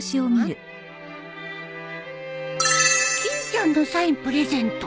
欽ちゃんのサインプレゼント。